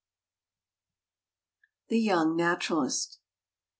] THE YOUNG NATURALIST.